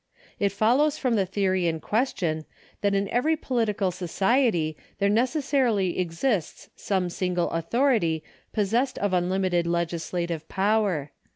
It follows from the theory in question, that in every political society there necessarily exists some single authority possessed of unlimited legislative power.